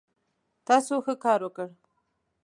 تاسو ښه کار وکړ